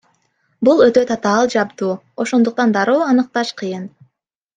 Бул өтө татаал жабдуу, ошондуктан дароо аныкташ кыйын.